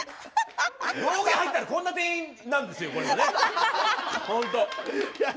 道具屋入ったらこんな店員なんですよ。